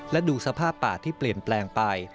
และดูสภาพป่าที่เปลี่ยนแปลงไป